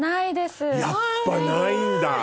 やっぱないんだ。